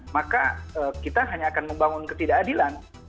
maka kita hanya akan membangun ketidakadilan